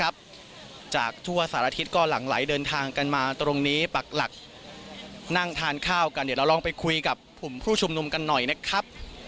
จากทั่วสารทิศก็หลั่งไหลเดินทางกันมาตรงนี้ปักหลักนั่งทานข้าวกันเดี๋ยวเราลองไปคุยกับกลุ่มผู้ชุมนุมกันหน่อยนะครับ